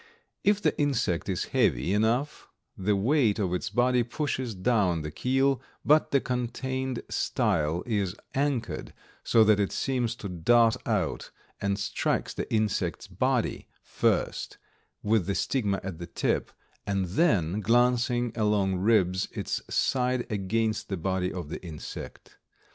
If the insect is heavy enough the weight of its body pushes down the keel, but the contained style is anchored, so that it seems to dart out, and strikes the insect's body, first with the stigma at the tip, and then glancing along rubs its side against the body of the insect.